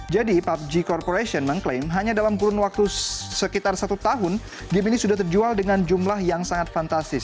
jadi pubg corporation mengklaim hanya dalam kurun waktu sekitar satu tahun game ini sudah terjual dengan jumlah yang sangat fantastis